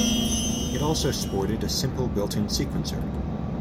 It also sported a simple built in sequencer.